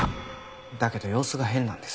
だけど様子が変なんです。